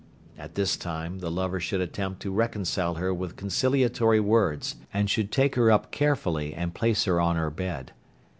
At this time, the lover should attempt to reconcile her with conciliatory words, and should take her up carefully and place her on her bed.